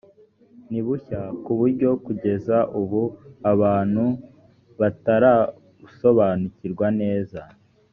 nibushya kuburyo kugeza ubu abantu batarabusobanukirwa neza.